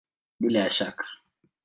Bila ya shaka!